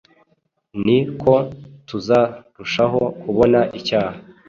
ni ko tuzarushaho kubona icyaha